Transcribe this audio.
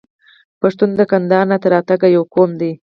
پښتون د کندهار نه تر اټکه یو قوم دی.